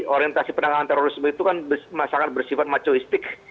karena orientasi penanganan terorisme itu kan sangat bersifat macoistik